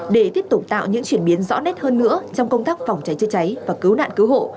để tiếp tục tạo những chuyển biến rõ nét hơn nữa trong công tác phòng cháy chữa cháy và cứu nạn cứu hộ